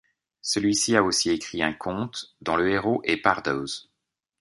Celui-ci a aussi écrit un conte dont le héros est Pardoes.